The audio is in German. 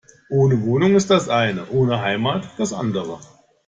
Ohne Wohnung ist das eine, ohne Heimat das andere.